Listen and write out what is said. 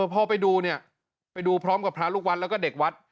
พอไปดูเนี่ยไปดูพร้อมกับพระลูกวัดแล้วก็เด็กวัด